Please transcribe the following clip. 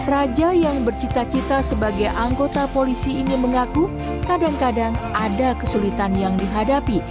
raja yang bercita cita sebagai anggota polisi ini mengaku kadang kadang ada kesulitan yang dihadapi